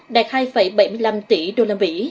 đạt hai bảy mươi năm tỷ đô la mỹ